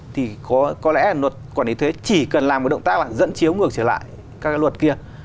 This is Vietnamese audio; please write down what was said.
thì có lẽ là luật quản lý thuế chỉ cần làm một động tác là dẫn chiếu ngược trở lại các cái luật kia